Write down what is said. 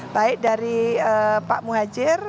baik dari pak muhajir